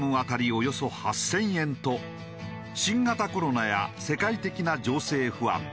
およそ８０００円と新型コロナや世界的な情勢不安